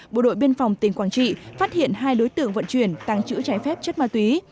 bộ đội biên phòng tỉnh quảng trị phát hiện hai đối tượng vận chuyển tăng trữ trái phép chất ma túy